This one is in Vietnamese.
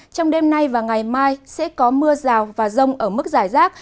trong đêm nay và ngày mai sẽ có mưa rào và rông ở mức giải rác